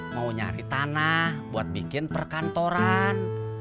mau nyari tanah buat bikin perkantoran